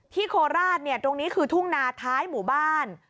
ที่โคลราศเนี่ยตรงนี้คือทุ่งหนาท้ายหมู่บ้าน